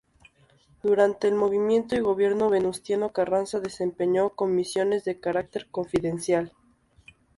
Durante el movimiento y gobierno de Venustiano Carranza desempeñó comisiones de carácter confidencial.